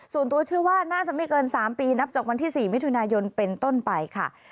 ส่วนตัวเชื่อว่าน่าจะไม่เกิน๓ปีนับจากวันที่๔มิถุนายนเป็นต้นไปค่ะ